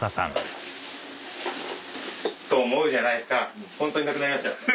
と思うじゃないですかホントになくなりました。